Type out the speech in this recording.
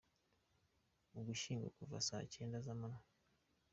Ugushyingo kuva saa cyenda zamanywa